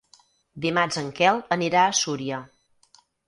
Dimarts en Quel anirà a Súria.